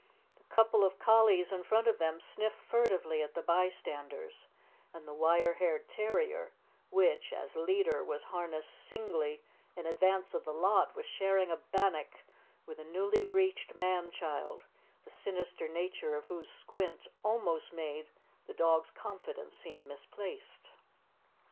The couple of collies in front of them sniffed furtively at the bystanders, and the wire haired terrier, which, as leader, was harnessed singly in advance of the lot, was sharing a bannock with a newly breeched man child, the sinister nature of whose squint almost made the dog's confidence seem misplaced.